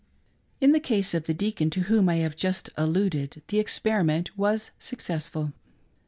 In the case of the deacon to whom I have just alluded, the experiment was successful.